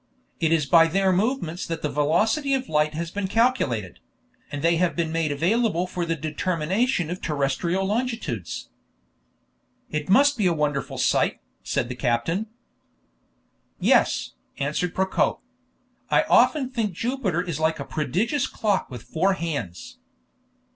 "It is by their movements that the velocity of light has been calculated; and they have been made available for the determination of terrestrial longitudes." "It must be a wonderful sight," said the captain. "Yes," answered Procope. "I often think Jupiter is like a prodigious clock with four hands."